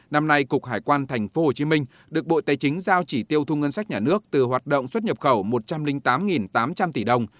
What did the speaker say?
năm nay cục hải quan thành phố hồ chí minh được bộ tài chính giao chỉ tiêu thu ngân sách nhà nước từ hoạt động xuất nhập khẩu một trăm linh tám tám trăm linh tỷ đồng